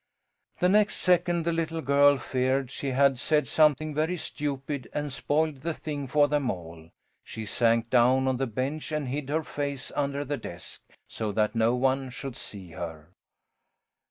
The next second the little girl feared she had said something very stupid and spoiled the thing for them all. She sank down on the bench and hid her face under the desk, so that no one should see her.